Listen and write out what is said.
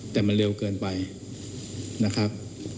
แต่มันเร็วเกินไปนะครับ